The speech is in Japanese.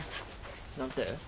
何て？